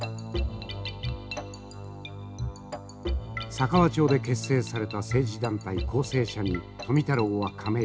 佐川町で結成された政治団体公正社に富太郎は加盟し副社長に就任。